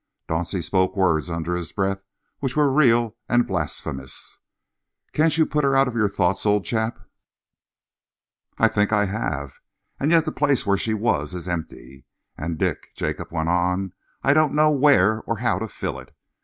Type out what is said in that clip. Dauncey spoke words under his breath which were real and blasphemous. "Can't you put her out of your thoughts, old chap?" "I think I have, and yet the place where she was is empty. And, Dick," Jacob went on, "I don't know where or how to fill it.